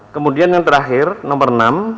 kemudian yang terakhir nomor enam